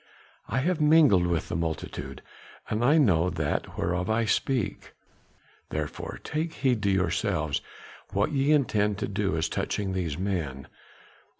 I have mingled with the multitude and I know that whereof I speak; therefore take heed to yourselves what ye intend to do as touching these men.